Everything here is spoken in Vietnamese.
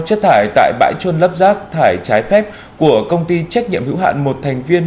chất thải tại bãi trôn lấp rác thải trái phép của công ty trách nhiệm hữu hạn một thành viên